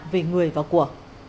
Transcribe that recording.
về người và của